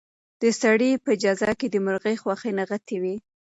د سړي په جزا کې د مرغۍ خوښي نغښتې وه.